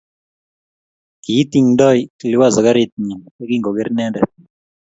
ki itingtoi Liwazo karitnyin yekingogeer inendet